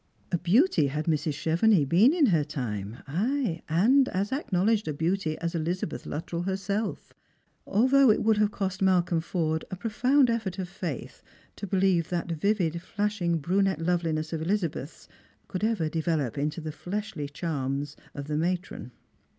A beauty had Mrs. Chevenix been in her time, ay, and as acknowledged a beauty as Elizabeth Luttrell herself, although it would have cost Malcolm Forde a profound effort of faith to believe that vivid flashing brunette loveliness of Elizabeth's could ever develop into the fleshly charms of the matron.